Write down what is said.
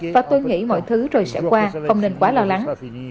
và tôi nghĩ mọi thứ rồi sẽ qua không nên quá lo lắng